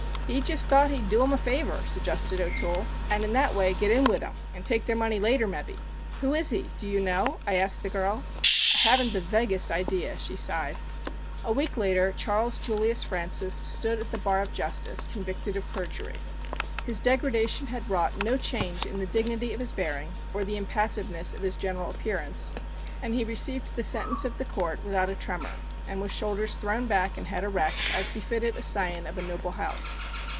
"He just thought he'd do 'em a favor," suggested O'Toole, "and in that way get in wid 'em an' take their money later, mebbe!" "Who is he? Do you know?" I asked the girl. "I haven't the vaguest idea!" she sighed. A week later Charles Julius Francis stood at the bar of justice convicted of perjury. His degradation had wrought no change in the dignity of his bearing or the impassiveness of his general appearance, and he received the sentence of the Court without a tremor, and with shoulders thrown back and head erect as befitted a scion of a noble house.